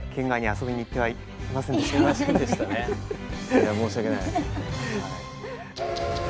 いや申し訳ない。